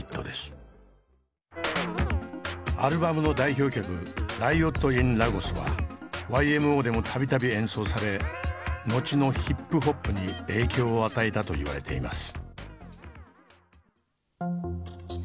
アルバムの代表曲「ＲＩＯＴＩＮＬＡＧＯＳ」はＹＭＯでも度々演奏され後のヒップホップに影響を与えたと言われています。